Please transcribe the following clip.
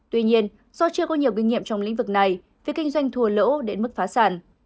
tuy nhiên do chưa có nhiều kinh nghiệm trong lĩnh vực này phía kinh doanh thua lỗ đến mức phá sản